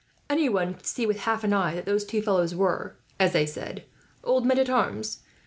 "Anyone could see, with half an eye, that those two fellows were, as they said, old men at arms.